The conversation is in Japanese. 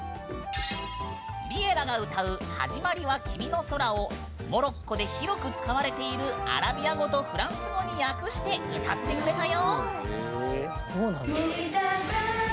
Ｌｉｅｌｌａ！ が歌う「始まりは君の空」をモロッコで広く使われているアラビア語とフランス語に訳して歌ってくれたよ！